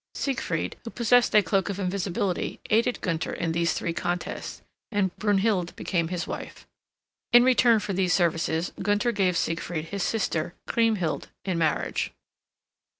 Siegfried, who possessed a cloak of invisibility, aided Gunther in these three contests, and Brunhild became his wife. In return for these services, Gunther gave Siegfried his sister Kriemhild in marriage.